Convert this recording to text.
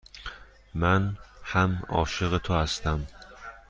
من هم عاشق تو هستم.